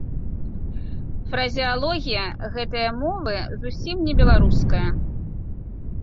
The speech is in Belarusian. Фразеалогія гэтае мовы зусім не беларуская.